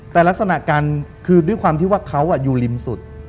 แต่ลักษณะการคือด้วยความที่ว่าเขาอยู่ริมสุด